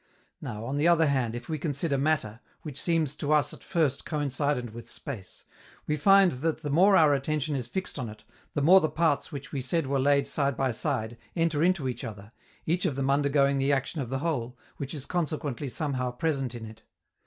Now, on the other hand, if we consider matter, which seems to us at first coincident with space, we find that the more our attention is fixed on it, the more the parts which we said were laid side by side enter into each other, each of them undergoing the action of the whole, which is consequently somehow present in it.